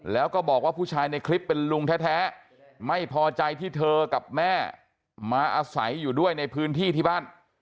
แล้วก็บอกว่าผู้ชายในคลิปเป็นลุงแท้ไม่พอใจที่เธอกับแม่มาอาศัยอยู่ด้วยในพื้นที่ที่บ้าน